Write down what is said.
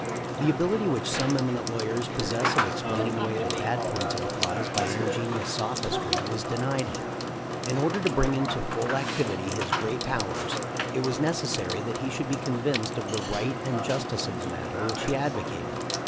The ability which some eminent lawyers pos sess of explaining away the bad points of a cause by ingenious sophistry was denied him. In order to bring into full activity his great powers it was nec essary that he should be convinced of the right and 336 THE LIFE OF LINCOLN. justice of the matter which he advocated.